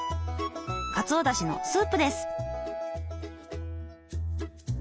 かつおだしのスープです。